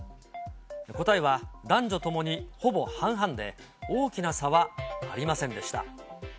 答えは男女ともにほぼ半々で、大きな差はありませんでした。